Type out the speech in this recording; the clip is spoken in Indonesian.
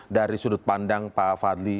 dari sudut pandang pak fadli